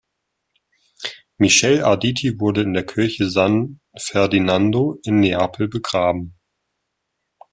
Michele Arditi wurde in der Kirche San Ferdinando in Neapel begraben.